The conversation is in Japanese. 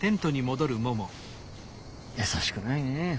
優しくないねえ。